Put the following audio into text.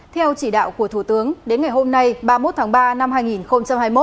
theo chỉ đạo của thủ tướng đến ngày hôm nay ba mươi một tháng ba năm hai nghìn hai mươi một